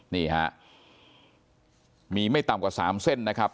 นี่ฮะมีไม่ต่ำกว่า๓เส้นนะครับ